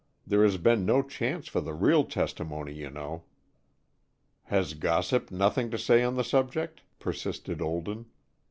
There has been no chance for the real testimony, you know." "Has gossip nothing to say on the subject?" persisted Olden.